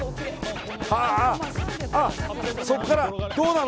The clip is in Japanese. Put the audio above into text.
そこから、どうなの？